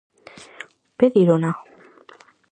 Pedírona?